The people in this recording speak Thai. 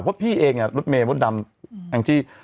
เพราะพี่เองอะรถเมล์รถดำแห่งจี้